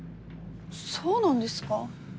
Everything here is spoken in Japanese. そうなんですか？